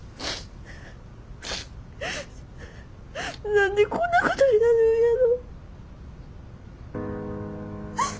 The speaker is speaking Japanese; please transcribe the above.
何でこんなことになるんやろ。